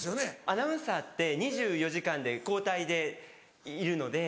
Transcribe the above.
アナウンサーって２４時間で交代でいるので。